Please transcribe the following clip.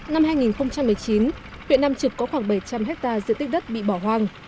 năm hai nghìn một mươi chín huyện nam trực có khoảng bảy trăm linh hectare diện tích đất bị bỏ hoang